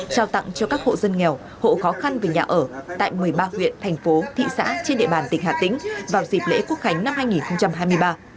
trao tặng cho các hộ dân nghèo hộ khó khăn về nhà ở tại một mươi ba huyện thành phố thị xã trên địa bàn tỉnh hà tĩnh vào dịp lễ quốc khánh năm hai nghìn hai mươi ba